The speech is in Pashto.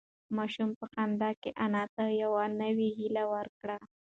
ماشوم په خندا کې انا ته یوه نوې هیله ورکړه.